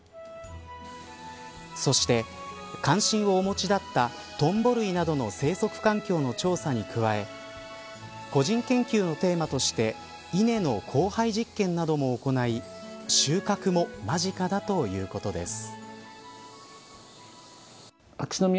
そして関心をお持ちだったトンボ類などの生息環境の調査に加え個人研究のテーマとして稲の交配実験なども行い収穫も間近だということです。